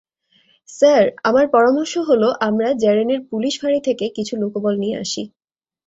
Sir, আমার পরামর্শ হল আমরা জ্যারেনের পুলিশ ফাঁড়ি থেকে কিছু লোকবল নিয়ে আসি।